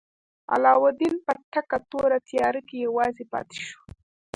علاوالدین په تکه توره تیاره کې یوازې پاتې شو.